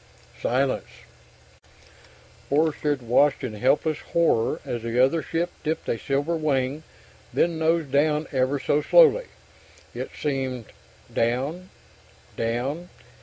Silence. Forster had watched in helpless horror as the other ship dipped a silver wing, then nosed down ever so slowly, it seemed ... down ... down